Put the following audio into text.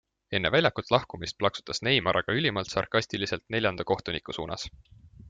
Enne väljakult lahkumist plaksutas Neymar aga ülimalt sarkastiliselt neljanda kohtuniku suunas.